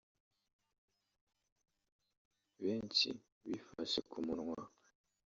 Benshi bifashe ku munwa